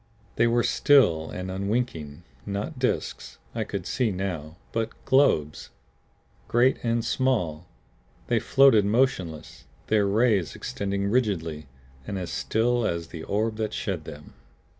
They were still and unwinking; not disks, I could see now, but globes. Great and small, they floated motionless, their rays extending rigidly and as still as the orb that shed them.